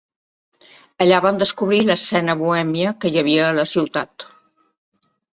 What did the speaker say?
Allà van descobrir l'escena bohèmia que hi havia a la ciutat.